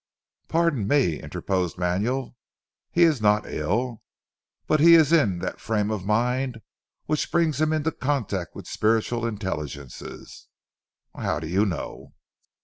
"Pardon me," interposed Manuel, "he is not ill. But he is in that frame of mind which will bring him into contact with spiritual intelligences." "How do you know?"